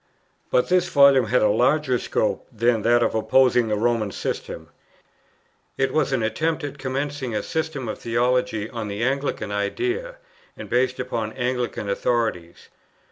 But this Volume had a larger scope than that of opposing the Roman system. It was an attempt at commencing a system of theology on the Anglican idea, and based upon Anglican authorities.